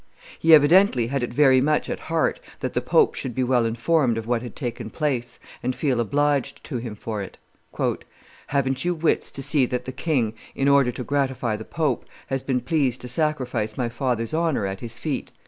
He evidently had it very much at heart that the pope should be well informed of what had taken place, and feel obliged to him for it. "Haven't you wits to see that the king, in order to gratify the pope, has been pleased to sacrifice my father's honor at his feet?"